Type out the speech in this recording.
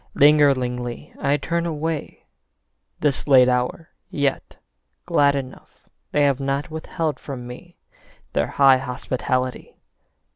Lingeringly I turn away, This late hour, yet glad enough They have not withheld from me Their high hospitality.